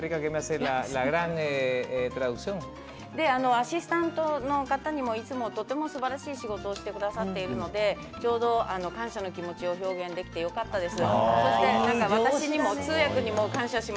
アシスタントの方にもいつも、とてもすばらしい仕事をしてくださっているのでちょうど感謝の気持ちを表現できてよかったです。